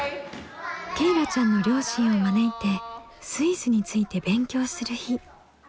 けいらちゃんの両親を招いてスイスについて勉強する日。